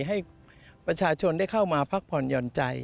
ให้ประชาชนได้เข้ามาพักผ่อนหย่อนใจ